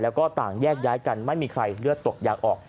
แล้วก็ต่างแยกย้ายกันไม่มีใครเลือดตกยางออก